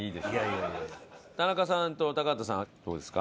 田中さんと高畑さんはどうですか？